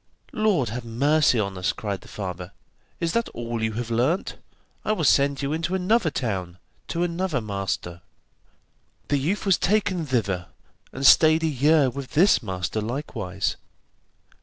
'Lord have mercy on us!' cried the father; 'is that all you have learnt? I will send you into another town, to another master.' The youth was taken thither, and stayed a year with this master likewise.